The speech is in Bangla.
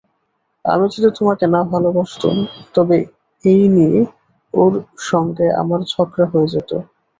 আমি যদি তোমাকে না ভালোবাসতুম তবে এই নিয়ে ওর সঙ্গে আমার ঝগড়া হয়ে যেত।